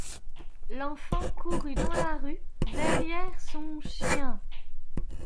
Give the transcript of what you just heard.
L'enfant courut dans la rue derrière son chien.